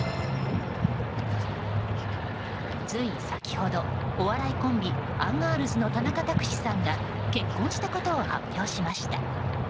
つい先ほどお笑いコンビ、アンガールズの田中卓志さんが結婚したことを発表しました。